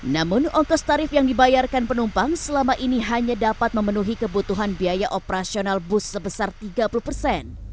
namun ongkos tarif yang dibayarkan penumpang selama ini hanya dapat memenuhi kebutuhan biaya operasional bus sebesar tiga puluh persen